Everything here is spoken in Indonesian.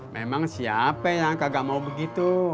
memang siapa yang kagak mau begitu